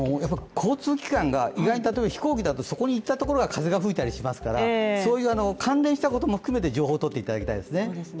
交通機関が意外に、飛行機だとそこに行ったところが風が吹いたりしますから、そういう関連したことも含めて情報を取っていただきたいですね。